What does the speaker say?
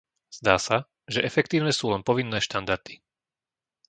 Zdá sa, že efektívne sú len povinné štandardy.